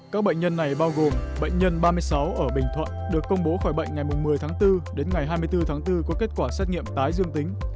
các bệnh nhân này bao gồm bệnh nhân ba mươi sáu ở bình thuận được công bố khỏi bệnh ngày một mươi tháng bốn đến ngày hai mươi bốn tháng bốn có kết quả xét nghiệm tái dương tính